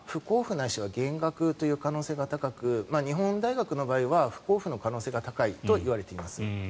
ないしは減額という可能性が高く日本大学の場合は不交付の可能性が高いと言われています。